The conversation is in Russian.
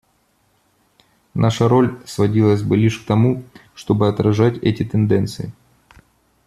Наша роль сводилась бы лишь к тому, чтобы отражать эти тенденции.